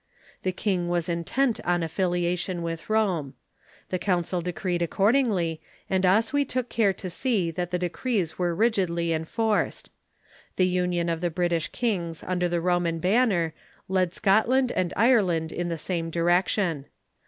The king was intent on affiliation with Rome. The council decreed accordingh', and Oswy took care to see that the decrees were rigidly enforced. The union of the British kings under the Roman banner led Scotland and Ireland in the same direction.